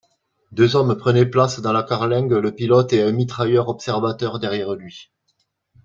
Deux hommes prenaient place dans la carlingue, le pilote et un mitrailleur-observateur derrière lui.